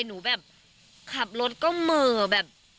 หนูแบบขับรถก็เหม่อแบบ